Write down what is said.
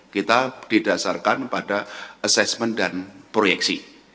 kita didasarkan pada assessment dan proyeksi